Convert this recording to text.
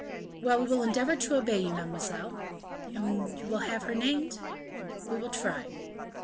"Well! we will endeavor to obey you, mademoiselle." "And you will have her named?" "We will try."